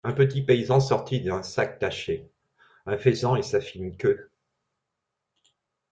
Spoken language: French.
Un petit paysan sortit, d'un sac taché, un faisan et sa fine queue.